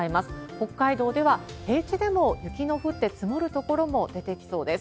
北海道では平地でも雪の降って積もる所も出てきそうです。